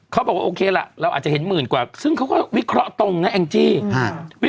เขาบอกว่าโอเคล่ะเราอาจจะเห็นหมื่นกว่าซึ่งเขาก็วิเคราะห์ตรงนะแองจี้